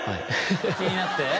気になって？